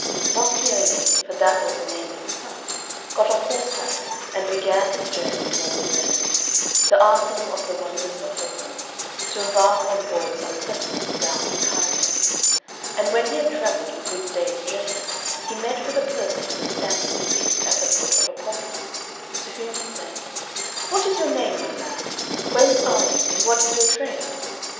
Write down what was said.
Moscione (for that was the name of the son) got on horseback, and began his journey towards Venice, the arsenal of the wonders of the world, to embark on board some vessel bound for Cairo; and when he had travelled a good day's journey, he met with a person who was standing fixed at the foot of a poplar, to whom he said, "What is your name, my lad? Whence are you, and what is your trade?"